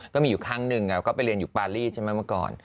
ก็มีอยู่ครั้งหนึ่งก็ไปเรียนอยู่ปารีใช่ไหมเมื่อก่อน